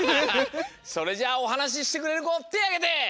それじゃあおはなししてくれるこてあげて！